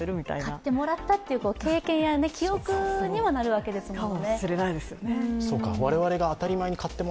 買ってもらったという経験や記憶にもなるわけですもんね。